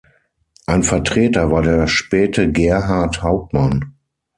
Ein Vertreter war der späte Gerhart Hauptmann.